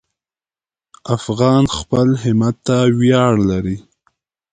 افغان خپل همت ته ویاړ لري.